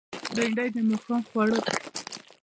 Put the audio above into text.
بېنډۍ د ماښام خواړه ده